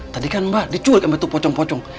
tadi kan mbak diculik sama bentuk pocong pocong